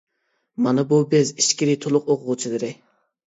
مانا بۇ بىز ئىچكىرى تولۇق ئوقۇغۇچىلىرى!